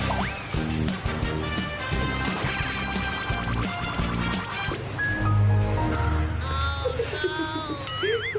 โอ้โฮ